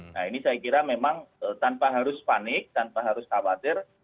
nah ini saya kira memang tanpa harus panik tanpa harus khawatir